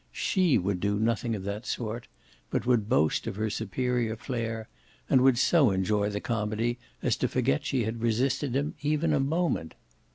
SHE would do nothing of that sort, but would boast of her superior flair, and would so enjoy the comedy as to forget she had resisted him even a moment.